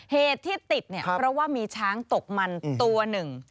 เหตุที่ติดเนี่ยเพราะว่ามีช้างตกมันตัวหนึ่ง